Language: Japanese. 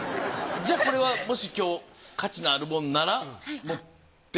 じゃあこれはもし今日価値のあるものなら持って。